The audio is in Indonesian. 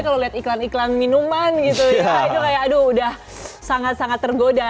kalau lihat iklan iklan minuman gitu ya itu kayak aduh udah sangat sangat tergoda